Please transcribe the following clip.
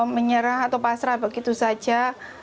menyerah atau pasrah begitu saja